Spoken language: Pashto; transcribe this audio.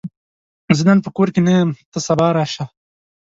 زه نن په کور کې نه یم، ته سبا راشه!